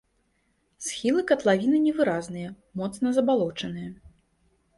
Схілы катлавіны невыразныя, моцна забалочаныя.